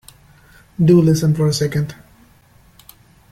Do listen for a second.